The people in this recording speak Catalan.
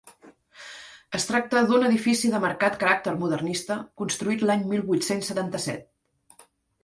Es tracta d'un edifici de marcat caràcter modernista, construït l'any mil vuit-cents setanta-set.